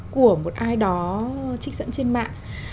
của một ai đó trích dẫn trên mạng